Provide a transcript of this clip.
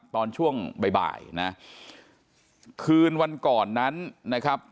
ตอนช่วงบ่ายบ่ายนะคืนวันก่อนนั้นนะครับ